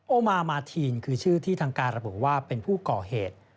โอมามาทีนคือชื่อที่ทางการระบุว่าเป็นผู้ก่อเหตุ